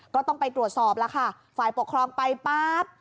ก็ต้องไปตรวจสอบแล้วค่ะฝ่ายปกครองไปปั๊บ